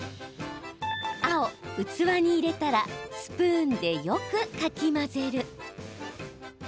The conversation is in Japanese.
青・器に入れたらスプーンでよくかき混ぜる。